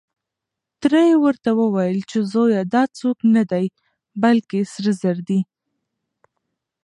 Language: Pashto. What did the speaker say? تره يې ورته وويل چې زويه دا څوک نه دی، بلکې سره زر دي.